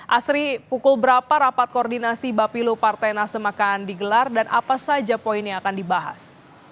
asri pukul berapa rapat koordinasi bapilu partai nasdem akan digelar dan apa saja poin yang akan dibahas